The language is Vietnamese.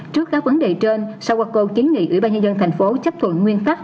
trước các vấn đề trên sawako kiến nghị ủy ban nhân dân thành phố chấp thuận nguyên tắc